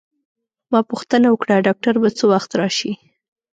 ما پوښتنه وکړه: ډاکټر به څه وخت راشي؟